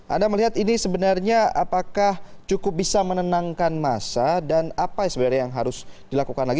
anda melihat ini sebenarnya apakah cukup bisa menenangkan masa dan apa sebenarnya yang harus dilakukan lagi